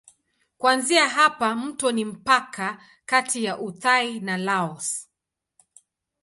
Kuanzia hapa mto ni mpaka kati ya Uthai na Laos.